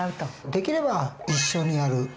できれば一緒にやる。